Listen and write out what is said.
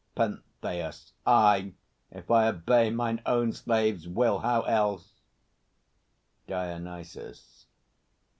_ PENTHEUS. Aye, if I obey Mine own slaves' will; how else? DIONYSUS.